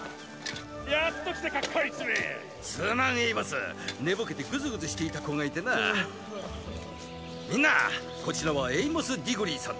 やっと来たかこいつめすまんエイモス寝ぼけてグズグズしていた子がいてなみんなこちらはエイモス・ディゴリーさんだ